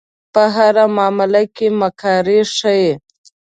په هره معامله کې مکاري ښيي.